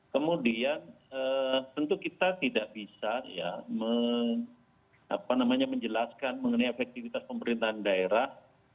kemudian tentu kita tidak bisa menjelaskan mengenai efektivitas pemerintahan daerah